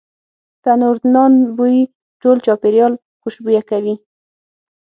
تنوردنان بوی ټول چاپیریال خوشبویه کوي.